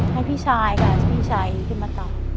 ให้พี่ชัยนะครับพี่ชัยขึ้นมาตอบ